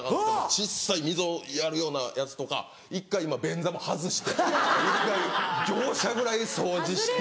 小っさい溝をやるようなやつとか１回便座も外して１回業者ぐらい掃除して。